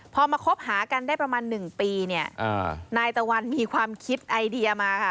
พอมาคบหากันได้ประมาณหนึ่งปีเนี่ยนายตะวันมีความคิดไอเดียมาค่ะ